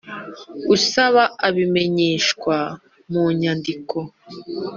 Usaba abimenyeshwa mu nyandiko